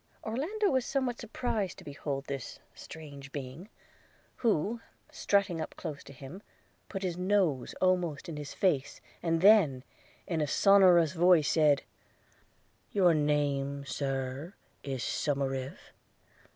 Orlando was somewhat surprised to behold this strange being, who, strutting up close to him, put his nose almost in his face, and then, in a sonorous voice, said – 'Your name, Sir, is Somerive?'